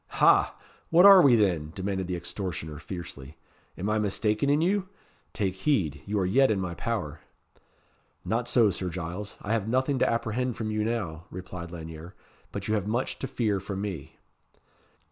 "Ha! what are we, then?" demanded the extortioner, fiercely. "Am I mistaken in you? Take heed. You are yet in my power." "Not so, Sir Giles. I have nothing to apprehend from you now," replied Lanyere; "but you have much to fear from me."